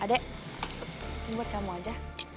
adek buat kamu aja